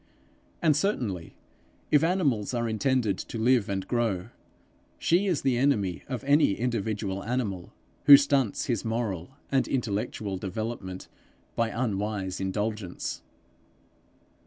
And certainly, if animals are intended to live and grow, she is the enemy of any individual animal, who stunts his moral and intellectual development by unwise indulgence.